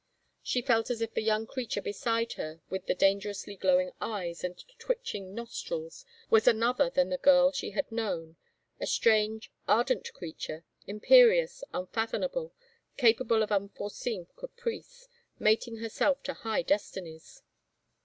She felt as if the young 175 THE FAVOR OF KINGS creature beside her with the dangerously glowing eyes and twitching nostrils was another than the girl she had known, a strange, ardent creature, imperious, unfathom able, capable of unforeseen caprice, mating herself to high destinies.